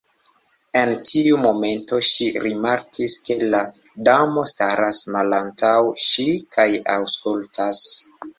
En tiu momento ŝi rimarkis ke la Damo staras malantaŭ ŝi kaj aŭskultas.